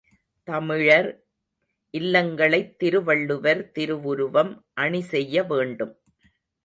தமிழர் இல்லங்களைத் திருவள்ளுவர் திருவுருவம் அணிசெய்ய வேண்டும்.